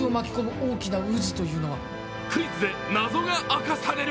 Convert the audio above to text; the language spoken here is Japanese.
クイズで謎が明かされる。